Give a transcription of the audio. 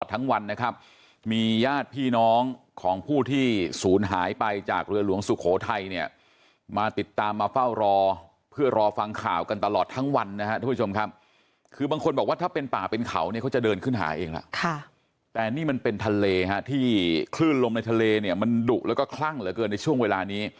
ทั้งวันนะครับมีญาติพี่น้องของผู้ที่ศูนย์หายไปจากเรือหลวงสุโขทัยเนี่ยมาติดตามมาเฝ้ารอเพื่อรอฟังข่าวกันตลอดทั้งวันนะครับทุกผู้ชมครับคือบางคนบอกว่าถ้าเป็นป่าเป็นเขาเนี่ยเขาจะเดินขึ้นหาเองล่ะค่ะแต่นี่มันเป็นทะเลฮะที่คลื่นลมในทะเลเนี่ยมันดุแล้วก็คลั่งเหลือเกินในช่วงเวลานี้